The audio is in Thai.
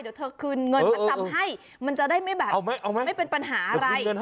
เดี๋ยวเธอคืนเงินมาจำให้มันจะได้ไม่แบบไม่เป็นปัญหาอะไร